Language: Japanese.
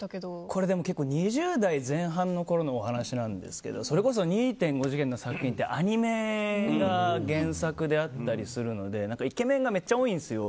これ、２０代前半のころのお話なんですけどそれこそ２．５次元の作品ってアニメが原作であったりするのでイケメンがめっちゃ多いんですよ。